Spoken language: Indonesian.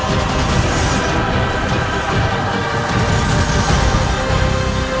sang penguasa kerajaan penyelidikan